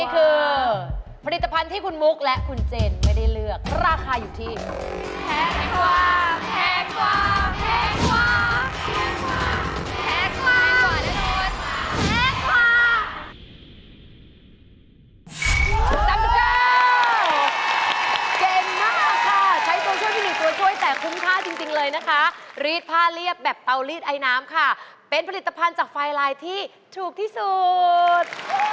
เกมมากค่ะใช้ตัวช่วยพี่หนูตัวช่วยแต่คุ้มค่าจริงเลยนะคะรีดผ้าเรียบแบบเปารีดอายน้ำค่ะเป็นผลิตภัณฑ์จากไฟลายที่ถูกที่สุด